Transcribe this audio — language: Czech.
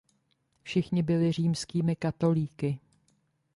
Všichni byly římskými katolíky.